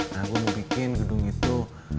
nah gue mau bikin gedung itu